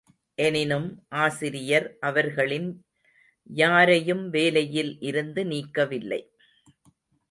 எனினும் ஆசிரியர் அவர்களின் யாரையும் வேலையில் இருந்து நீக்கவில்லை.